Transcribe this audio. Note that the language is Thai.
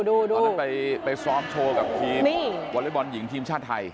ก็ได้ไปซ้อมโชว์กับทีมวอเลเบิร์นหญิงทีมชาติไทย